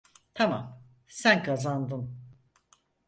Tamam, sen kazandın.